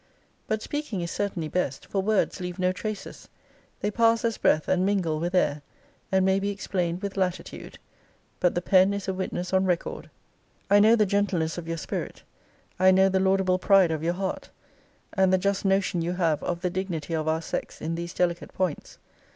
But speaking is certainly best: for words leave no traces; they pass as breath; and mingle with air; and may be explained with latitude. But the pen is a witness on record. I know the gentleness of your spirit; I know the laudable pride of your heart; and the just notion you have of the dignity of our sex in these delicate points.